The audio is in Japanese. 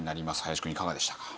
林くんいかがでしたか？